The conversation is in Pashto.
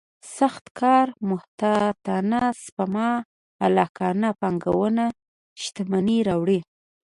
سخت کار محتاطانه سپما عاقلانه پانګونه شتمني راوړي.